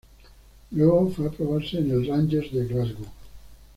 Luego, fue a probarse en el Rangers de Glasgow.